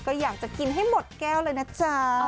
ก็อยากจะกินให้หมดแก้วเลยนะจ๊ะ